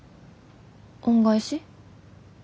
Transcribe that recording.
恩返し？